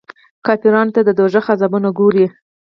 کافرانو ته د دوږخ عذابونه ګوري.